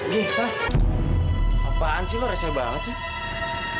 gih sana apaan sih lo resah banget sih